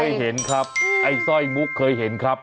เห็นครับไอ้สร้อยมุกเคยเห็นครับ